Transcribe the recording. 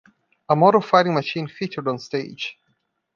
A model Fighting Machine featured on stage.